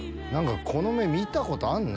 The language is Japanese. この目見たことあんな。